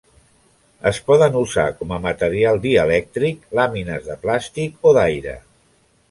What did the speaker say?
Es poden usar com a material dielèctric làmines de plàstic o d'aire.